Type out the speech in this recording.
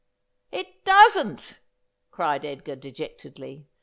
' It doesn't,' cried Edgar dejectedly.